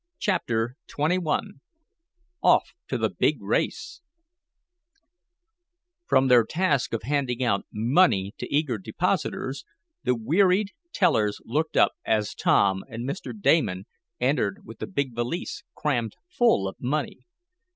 CHAPTER XXI OFF TO THE BIG RACE From their task of handing out money to eager depositors, the wearied tellers looked up as Tom and Mr. Damon entered with the big valise crammed full of money.